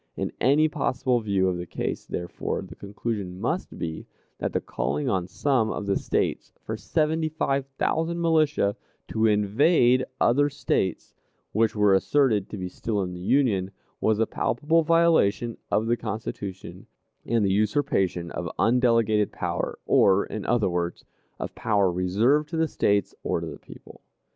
In any possible view of the case, therefore, the conclusion must be, that the calling on some of the States for seventy five thousand militia to invade other States which were asserted to be still in the Union, was a palpable violation of the Constitution, and the usurpation of undelegated power, or, in other words, of power reserved to the States or to the people.